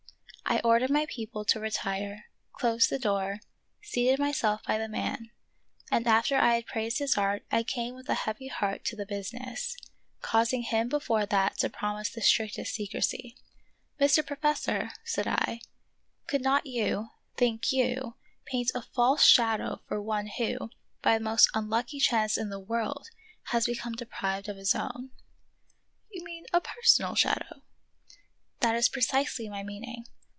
I ordered my people to retire, closed the door, seated myself by the man, and after I had praised his art I came with a heavy heart to the business, causing him before that to promise the strictest secrecy. " Mr. Professor," said I, " could not you, think you, paint a false shadow for one who, by the most unlucky chance in the world, has become deprived of his own 1 "" You mean a personal shadow ?"" That is precisely my meaning."